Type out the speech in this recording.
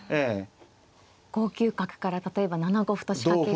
５九角から例えば７五歩と仕掛け。